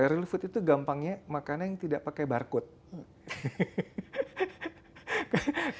real food itu gampangnya makanan yang tidak pakai barcode